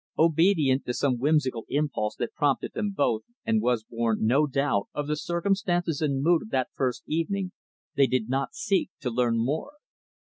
Obedient to some whimsical impulse that prompted them both, and was born, no doubt, of the circumstance and mood of that first evening, they did not seek to learn more.